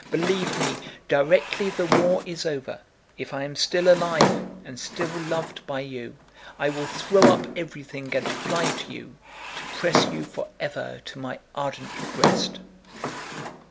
Believe me, directly the war is over, if I am still alive and still loved by you, I will throw up everything and fly to you, to press you forever to my ardent breast."